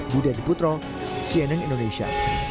budha diputro cnn indonesia